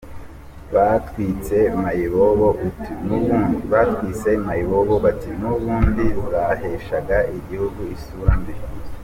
– Batwitse mayibobo uti “n’ubundi zaheshaga igihugu isura mbi”